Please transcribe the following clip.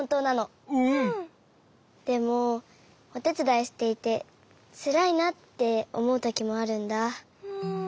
でもおてつだいしていてつらいなっておもうときもあるんだ。